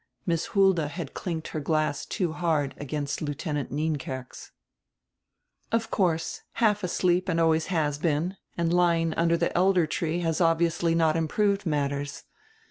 Miss Hulda had clinked her glass too hard against Lieutenant Nienkerk's. "Of course, half asleep and always has been, and lying under die elder tree has obviously not improved matters.